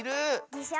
でしょ。